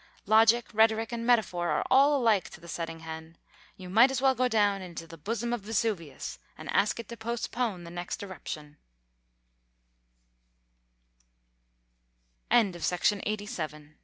Logic, rhetoric and metaphor are all alike to the setting hen. You might as well go down into the bosom of Vesuvius and ask it to postpone the next eruptio